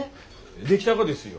出来たがですよ。